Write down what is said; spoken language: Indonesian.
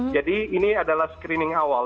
jadi ini adalah screening awal